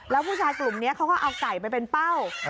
แล้วผู้ชายกลุ่มนี้เขาก็เอาไก่ไปเป็นเป้า